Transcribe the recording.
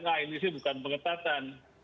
nah ini sih bukan pengetatan